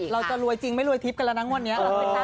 เราจะรวยจริงไม่รวยทิศกันละนั้นวันนี้